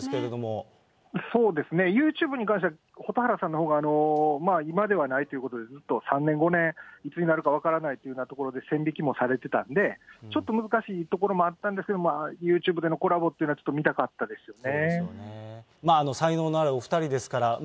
そうですね、ユーチューブに関しては、蛍原さんのほうが今ではないということで、ずっと３年、５年、いつになるか分からないということで、線引きもされてたんで、ちょっと難しいところもあったんですけど、ユーチューブでのコラボというのは見たかったですね。